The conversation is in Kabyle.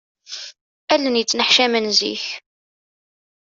Allen yettneḥcamen zik.